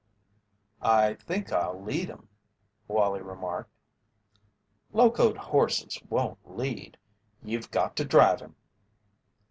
"I think I'll lead 'em," Wallie remarked. "Locoed horses won't lead you've got to drive 'em."